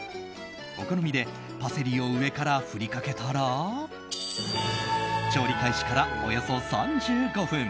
お好みでパセリを上から振りかけたら調理開始から、およそ３５分。